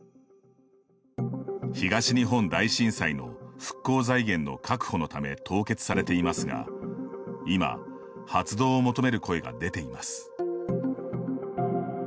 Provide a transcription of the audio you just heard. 東日本大震災の復興財源の確保のため凍結されていますが今、発動を求める声が出ています。